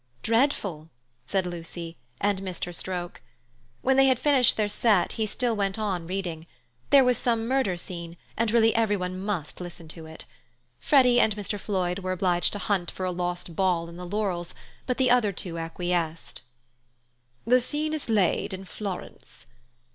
"Dreadful!" said Lucy, and missed her stroke. When they had finished their set, he still went on reading; there was some murder scene, and really everyone must listen to it. Freddy and Mr. Floyd were obliged to hunt for a lost ball in the laurels, but the other two acquiesced. "The scene is laid in Florence."